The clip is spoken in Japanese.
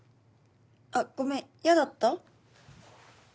あっごめんやだった？